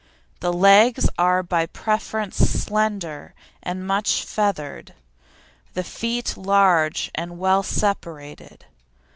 The legs are by preference slender and much feathered, the feet large and well separated.